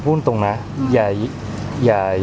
หรือต้องปรับตัวเองมาก